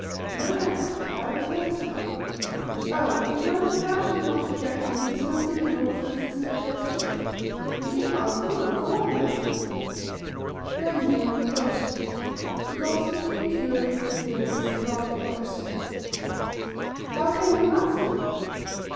"No, thanks! Arabs never smoke." "Oh, if you don't, perhaps you would not object to me smoking, in order to assist digestion?" "Ngema good go on, master." Then began the questions, the gossipy, curious, serious, light questions: "How came the master?